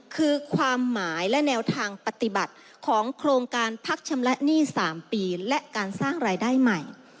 คือความหมายและแนวทางปฏิบัติของโครงการพักชำระหนี้๓ปีและการสร้างรายได้ใหม่